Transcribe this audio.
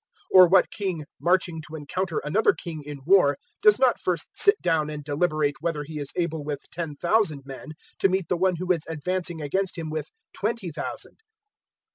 014:031 Or what king, marching to encounter another king in war, does not first sit down and deliberate whether he is able with ten thousand men to meet the one who is advancing against him with twenty thousand?